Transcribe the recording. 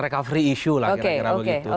recovery isu lah kira kira begitu